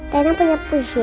rena punya puji